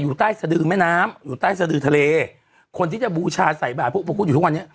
อยู่ใต้สะดือแม่น้ำอยู่ใต้สะดือทะเลคนที่จะบูชาใส่บาทพระอุปคุฎอยู่ทุกวันนี้